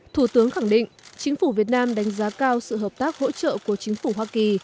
thủ tướng khẳng định chính phủ việt nam đánh giá cao sự hợp tác hỗ trợ của chính phủ hoa kỳ